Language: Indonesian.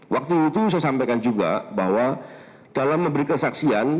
waktu itu saya sampaikan juga bahwa dalam memberi kesaksian